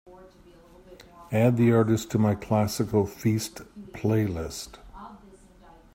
Add the artist to my classical feast playlist.